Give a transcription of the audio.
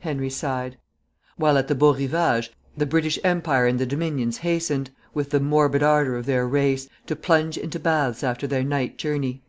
Henry sighed); while at the Beau Rivage the British Empire and the Dominions hastened, with the morbid ardour of their race, to plunge into baths after their night journey.